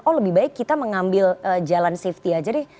oh lebih baik kita mengambil jalan safety aja deh